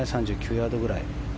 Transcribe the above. ３０ヤードぐらい。